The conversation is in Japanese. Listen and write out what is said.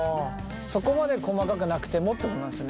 そこまで細かくなくてもってことなんですね？